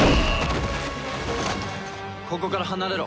ここから離れろ！